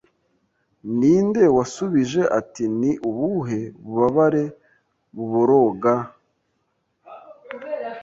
Ninde wasubije ati Ni ubuhe bubabare buboroga